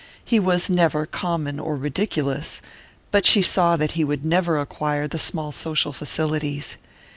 He was never common or ridiculous, but she saw that he would never acquire the small social facilities.